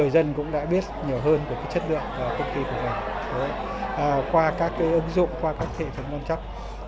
dân cũng đã biết nhiều hơn về cái chất lượng của công ty của mình qua các cái ứng dụng qua các hệ thống doanh chấp